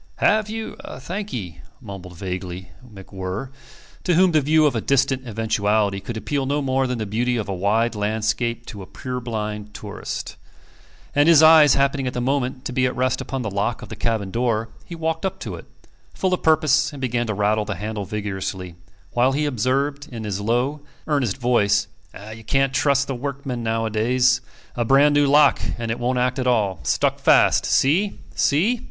"Have you? Thank 'ee," mumbled vaguely MacWhirr, to whom the view of a distant eventuality could appeal no more than the beauty of a wide landscape to a purblind tourist; and his eyes happening at the moment to be at rest upon the lock of the cabin door, he walked up to it, full of purpose, and began to rattle the handle vigorously, while he observed, in his low, earnest voice, "You can't trust the workmen nowadays. A brand new lock, and it won't act at all. Stuck fast. See? See?"